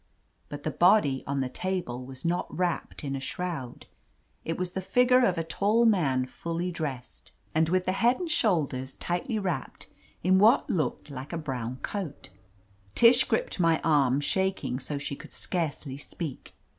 But the body on the table was not wrapped in a shroud. It was the figure of a tall man fully dressed, and with the head 136 OF LETITIA CARBERRY and shoulders tightly wrapped in what looked like a brown coat. Tish gripped my arm, shaking so she could scarcely speak.